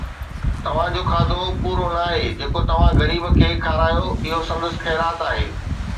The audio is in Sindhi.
توهان جو کاڌو پورو ناهي، جيڪو توهان غريب کي کارايو اهو سندس خيرات آهي